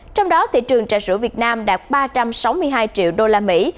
trong đó thị trường trà sữa việt nam đạt ba trăm sáu mươi hai triệu đô la mỹ